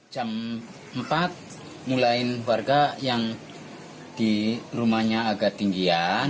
jam empat mulai warga yang di rumahnya agak tinggian